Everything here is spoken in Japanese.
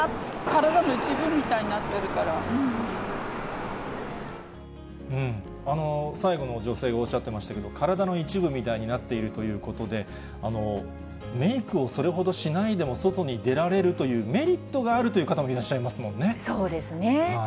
体の一部みたいになってるか最後の女性がおっしゃってましたけど、体の一部みたいになっているということで、メークをそれほどしないでも外に出られるというメリットがあるとそうですね。